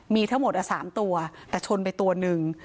มีทั้งหมด๓ตัวแต่ชนไปตัวหนึ่ง